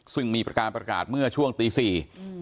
ซึ่งมีการประกาศเมื่อช่วงตีสี่อืม